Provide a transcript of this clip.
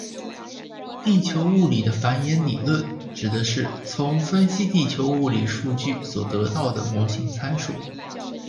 地球物理的反演理论指的是从分析地球物理数据所得到的模型参数。